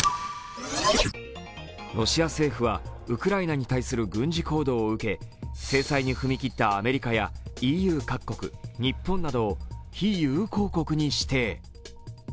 ロシア政府はウクライナに対する軍事行動を受け、制裁に踏み切ったアメリカやＥＵ各国、日本などを非友好国に指定。